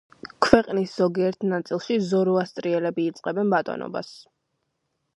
ქვეყნის ზოგიერთ ნაწილში ზოროასტრიელები იწყებენ ბატონობას.